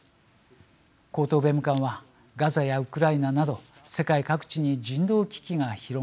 高等弁務官はガザやウクライナなど世界各地に人道危機が広がり